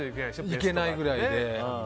いけないぐらいで。